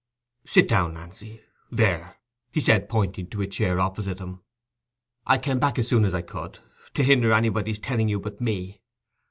"Sit down, Nancy—there," he said, pointing to a chair opposite him. "I came back as soon as I could, to hinder anybody's telling you but me.